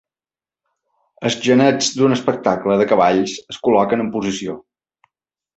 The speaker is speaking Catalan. Els genets d'un espectacle de cavalls es col·loquen en posició.